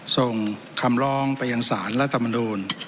ส่งคำลองประยังสารรัฐมนุน